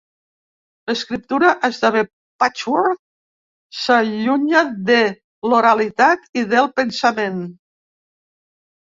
L'escriptura esdevé patchwork, s'allunya de l'oralitat i del pensament.